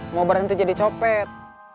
mau berhenti jadi copet